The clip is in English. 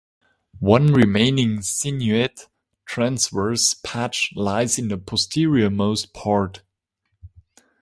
One remaining sinuate transverse patch lies in the posteriormost part.